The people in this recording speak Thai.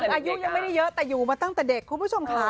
อายุยังไม่ได้เยอะแต่อยู่มาตั้งแต่เด็กคุณผู้ชมค่ะ